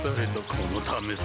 このためさ